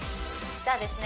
じゃあですね